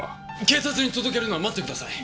警察に届けるのは待ってください。